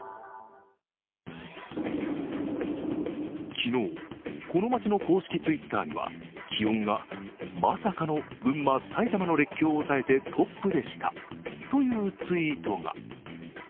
昨日、この町の公式Ｔｗｉｔｔｅｒには気温がまさかの群馬埼玉の列強を抑えてトップでしたというツイートが。